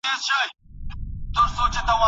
وینې غړغړ کړه او له غوښو نه یې خوا ګرځوه